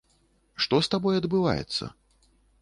Што з табой адбываецца?